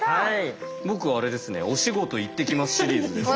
僕はあれですねお仕事行ってきますシリーズですね。